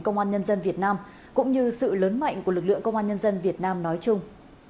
công an nhân dân việt nam cũng như sự lớn mạnh của lực lượng công an nhân dân việt nam nói chung